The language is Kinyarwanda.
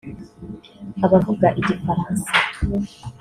abavuga Igifaransa